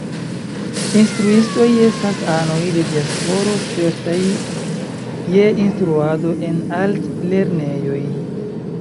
Instruistoj estas anoj de diasporo spertaj je instruado en altlernejoj.